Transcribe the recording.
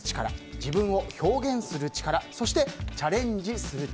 自分を表現する力そしてチャレンジする力。